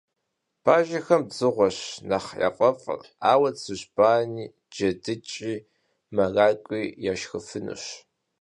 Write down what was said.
Бажэхэм дзыгъуэщ нэхъ яфӀэфӀыр, ауэ цыжьбани, джэдыкӀи, мэракӀуи, яшхыфынущ.